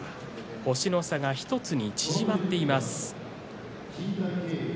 星の差が１つに縮まっています。